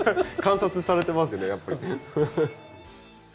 観察されてますねやっぱりね。